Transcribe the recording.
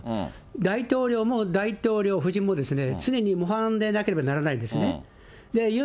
大統領も大統領夫人も、常に模範でなければならないんですね。